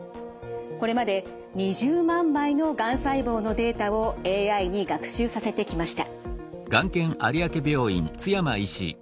これまで２０万枚のがん細胞のデータをＡＩに学習させてきました。